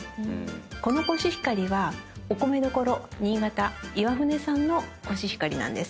このコシヒカリはお米どころ新潟岩船産のコシヒカリなんです。